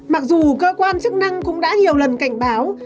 mặc dù cơ quan chức năng cũng đã nhiều lần cảnh báo